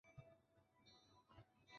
大场真人是日本男性声优。